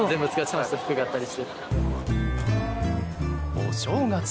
お正月。